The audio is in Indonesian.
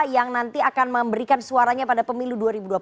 yang nanti akan memberikan suaranya pada pemilu dua ribu dua puluh